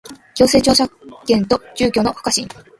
行政調査権と住居の不可侵